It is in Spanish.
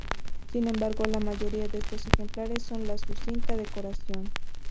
Sin embargo, la mayoría de estos ejemplares son de sucinta decoración.